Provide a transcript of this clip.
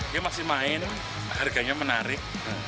dia masih main harganya menarik